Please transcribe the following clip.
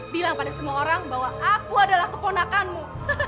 bilang pada semua orang bahwa aku adalah keponakanmu